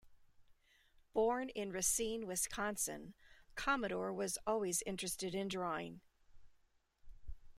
Born in Racine, Wisconsin, Commodore was always interested in drawing.